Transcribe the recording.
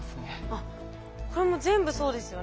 あっこれも全部そうですよね。